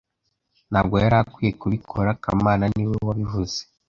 Ntabwo yari akwiye kubikora kamana niwe wabivuze